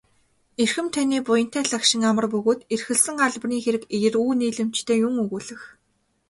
Эрхэм таны буянтай лагшин амар бөгөөд эрхэлсэн албаны хэрэг эергүү нийлэмжтэй юун өгүүлэх.